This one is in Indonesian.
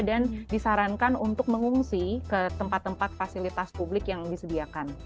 dan disarankan untuk mengungsi ke tempat tempat fasilitas publik yang disediakan